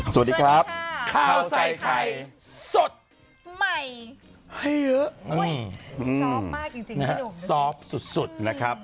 สวัสดีครับข้าวใส่ไข่สดใหม่ให้เยอะซอฟต์มากจริงนะซอฟต์สุดนะครับ